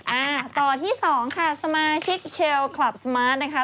อ่าต่อที่สองค่ะสมาชิกเชลคลับสมาร์ทนะคะ